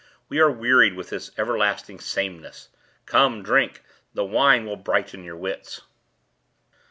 We are wearied with this everlasting sameness. Come, drink! the wine will brighten your wits."